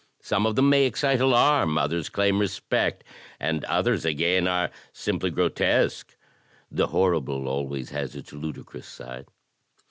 Some of them may excite alarm, others claim respect, and others again are simply grotesque. The horrible always has its ludicrous side.